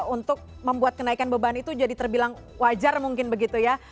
untuk membuat kenaikan beban itu jadi terbilang wajar mungkin begitu ya